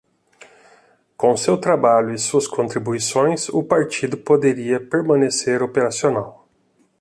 Com seu trabalho e suas contribuições, o partido poderia permanecer operacional.